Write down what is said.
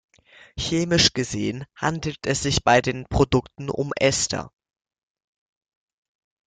Chemisch gesehen handelt es sich bei den Produkten um Ester.